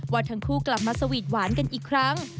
ว่าทั้งคู่กลับมาสวีทหวานกันอีกครั้ง